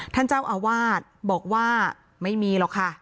ท่านเจ้าอาวาสบอกว่าไม่มีหรอกค่ะ